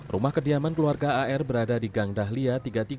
rumah kediaman keluarga ar berada di gang dahlia tiga ratus tiga puluh